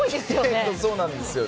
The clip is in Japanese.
結構そうなんですよね。